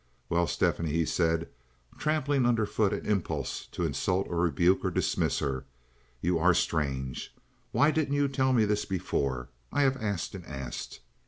"Well, Stephanie," he said, trampling under foot an impulse to insult or rebuke and dismiss her, "you are strange. Why didn't you tell me this before? I have asked and asked.